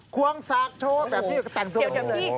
ควองสากโชว์แบบนี้ก็แต่งตัวนี้